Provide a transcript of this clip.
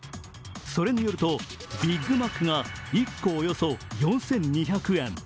それによるとビッグマックが１個およそ４２００円。